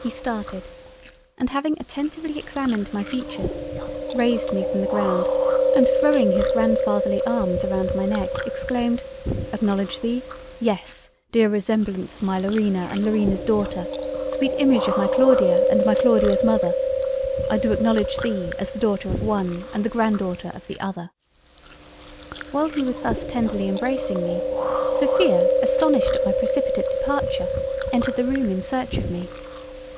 He started, and having attentively examined my features, raised me from the Ground and throwing his Grand fatherly arms around my Neck, exclaimed, "Acknowledge thee! Yes dear resemblance of my Laurina and Laurina's Daughter, sweet image of my Claudia and my Claudia's Mother, I do acknowledge thee as the Daughter of the one and the Grandaughter of the other." While he was thus tenderly embracing me, Sophia astonished at my precipitate Departure, entered the Room in search of me.